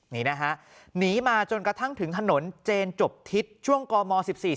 นี่นะฮะหนีมาจนกระทั่งถึงถนนเจนจบทิศช่วงกม๑๔๔